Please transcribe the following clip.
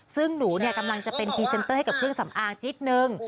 ซึ่งหนูกำลังจะเป็นพรีเซนเตอร์ให้กับเครื่องสำอางชิ้นนึง